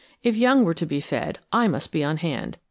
If young were to be fed, I must be on hand.